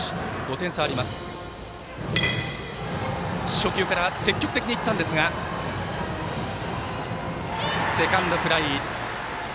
初球から積極的にいったんですがセカンドフライ。